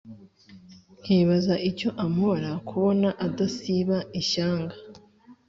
nkibaza icyo ampora, kubona adasiba ishyanga